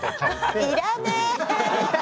要らねえ。